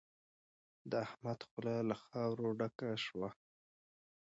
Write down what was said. د احمد خوله له خاورو ډکه شوه.